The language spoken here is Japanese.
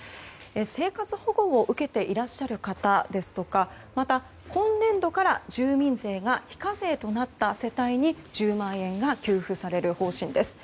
生活保護を受けていらっしゃる方ですとかまた、今年度から住民税が非課税となった世帯に１０万円が給付される方針です。